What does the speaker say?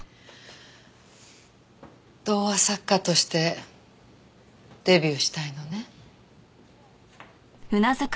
童話作家としてデビューしたいのね？